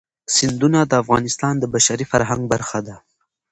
سیندونه د افغانستان د بشري فرهنګ برخه ده.